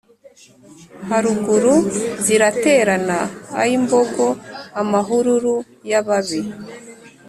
Haruguru ziraterana ay'imbogo-Amahururu y'ababi.